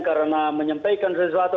karena menyampaikan sesuatu